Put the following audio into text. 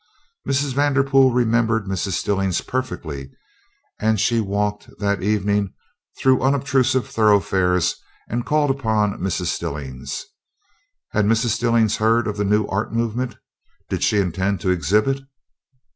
Mrs. Vanderpool remembered Mrs. Stillings perfectly, and she walked, that evening, through unobtrusive thoroughfares and called on Mrs. Stillings. Had Mrs. Stillings heard of the new art movement? Did she intend to exhibit?